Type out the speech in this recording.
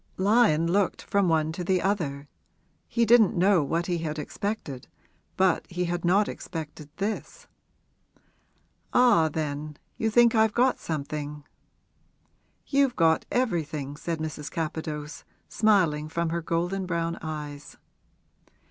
Lyon looked from one to the other; he didn't know what he had expected, but he had not expected this. 'Ah, then, you think I've got something?' 'You've got everything,' said Mrs. Capadose, smiling from her golden brown eyes.